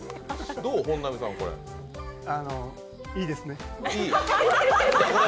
いいですね。